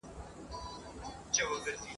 هندو زوړ سو مسلمان نه سو ,